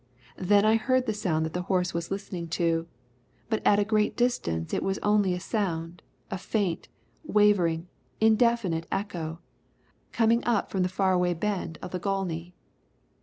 Then I heard the sound that the horse was listening to, but at the great distance it was only a sound, a faint, wavering, indefinite echo, coming up from the far away bend of the Gauley.